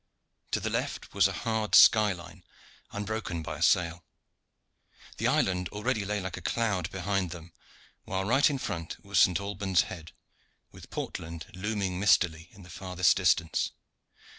To the left was a hard skyline unbroken by a sail. The island already lay like a cloud behind them, while right in front was St. Alban's Head, with Portland looming mistily in the farthest distance.